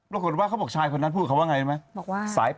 โรคกฎว่าเขาบอกชายคนนั้นพูดคำว่าอะไรเลยไหม